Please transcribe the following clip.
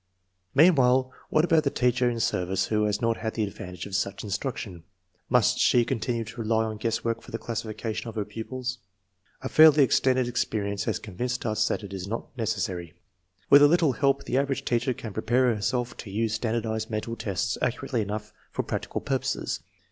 Meanwhile, what about the teacher in service who has not had the advantage of such instruction? Must she continue to rely on guesswork for the classifica tion of her pupils? A fairly extended experience has convinced us that this is not necessary. With a little THE USE OF MENTAL TESTS 293 help the average teacher can prepare herself to use standardized mental tests accurately enough for prac tical purposes.